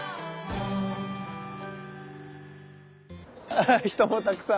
あ人もたくさん。